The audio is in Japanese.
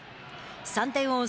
３点を追う